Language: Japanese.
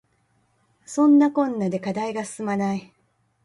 そんなこんなで課題が進まない